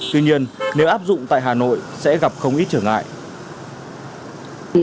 tuy nhiên nếu áp dụng tại hà nội sẽ gặp không ít trở ngại